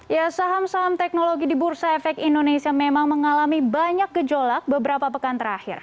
ya saham saham teknologi di bursa efek indonesia memang mengalami banyak gejolak beberapa pekan terakhir